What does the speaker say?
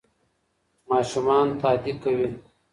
ماشومان تادي کوي.